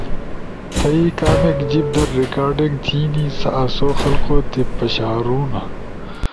تھئی کامیک جیب در ریکارڈنگ تھینی سا آسو خلقو تا پشارونا